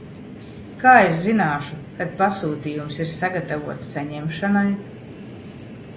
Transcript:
Kā es zināšu, kad pasūtījums ir sagatavots saņemšanai?